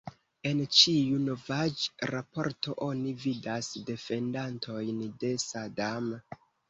En ĉiu novaĵ-raporto oni vidas defendantojn de Sadam.